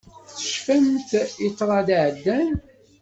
Tecfamt i ṭṭrad iɛeddan.